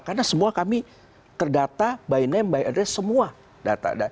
karena semua kami terdata by name by address semua data